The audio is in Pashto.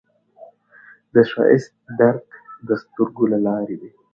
د ښایست درک د سترګو له لارې وي